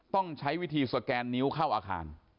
ต้องใช้วิธีสแกนนิ้วเข้าอาคาร